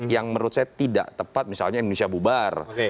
yang menurut saya tidak tepat misalnya indonesia bubar